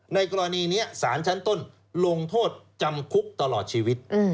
ในกรณีนี้สารชั้นต้นลงโทษจำคุกตลอดชีวิต